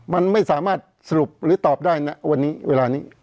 มันไม่สามารถสรุปหรือตอบได้นะวันนี้เวลานี้